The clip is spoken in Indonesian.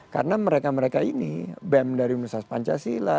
karena mereka mereka ini bem dari universitas pancasila